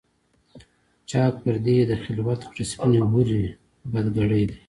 چاک پردې یې د خلوت کړه سپیني حوري، بد ګړی دی